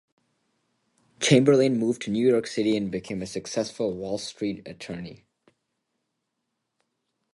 Chamberlain moved to New York City and became a successful Wall Street attorney.